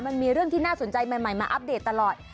มันมีเรื่องที่น่าสนใจใหม่มาอัปเดตตลอด